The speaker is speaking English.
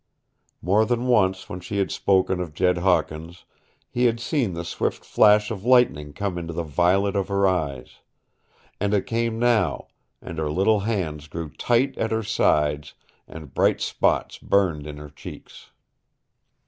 More than once when she had spoken of Jed Hawkins he had seen the swift flash of lightning come into the violet of her eyes. And it came now, and her little hands grew tight at her sides, and bright spots burned in her cheeks.